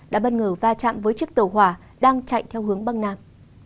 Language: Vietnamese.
đã bất ngờ va chạm với chiếc tàu hỏa đang chạy theo hướng băng nam